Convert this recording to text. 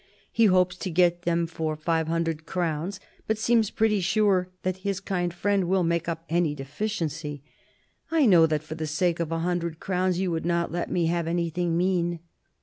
He hopes to get them for five hundred crowns, but seems pretty sure that his kind friend will make up any deficiency :" I know that for the sake of a hundred crowns you would not let me have anything mean."